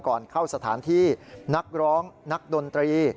ก่อนเข้าสถานที่นักร้องนักดนตรี